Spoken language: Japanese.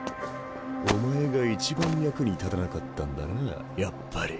お前が一番役に立たなかったんだなやっぱり。